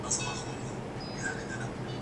په همېشنۍ جګړه کې